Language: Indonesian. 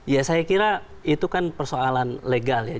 ya saya kira itu kan persoalan legal ya